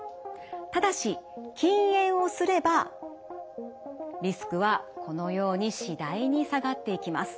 ただし禁煙をすればリスクはこのように次第に下がっていきます。